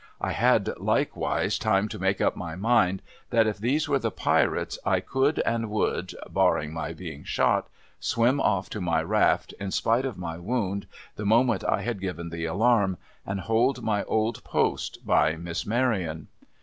I had likewise time to make up my mind that if these were the Pirates, I could and would (barring my being shot) swim off to my raft, in spite of my wound, the moment I had given the alarm, and hold my old post by Miss Maryon.